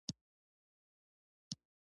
افغانستان د خاوره له مخې پېژندل کېږي.